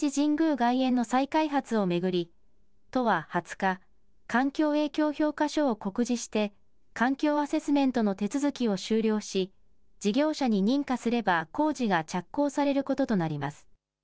外苑の再開発を巡り、都は２０日、環境影響評価書を告示して、環境アセスメントの手続きを終了し、事業者に認可すれば工事が着工されることとなります。